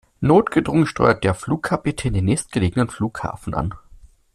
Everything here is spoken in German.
Notgedrungen steuert der Flugkapitän den nächstgelegenen Flughafen an.